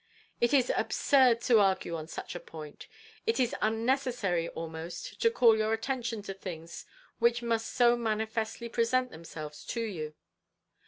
It is absurd to argue on such a point. It is unnecessary almost to call your attention to things which must so manifestly present themselves to you.